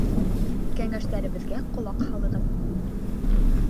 Кәңәштәребеҙгә ҡолаҡ һалығыҙ.